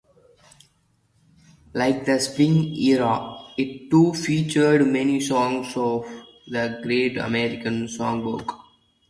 Like the Swing Era, it too featured many songs of the Great American Songbook.